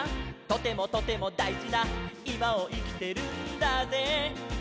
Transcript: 「とてもとてもだいじないまをいきてるんだぜ」